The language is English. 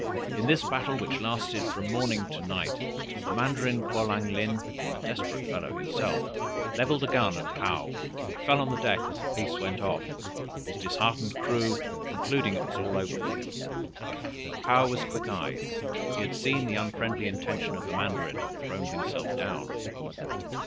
In this battle which lasted from morning to night, the Mandarin Kwolang lin, a desperate fellow himself, levelled a gun at Paou, who fell on the deck as the piece went off; his disheartened crew concluded it was all over with him. But Paou was quick eyed. He had seen the unfriendly intention of the mandarin, and thrown himself down.